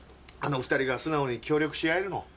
あの２人が素直に協力し合えるの。